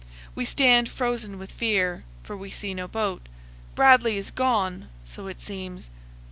We stand frozen with fear, for we see no boat. Bradley is gone! so it seems.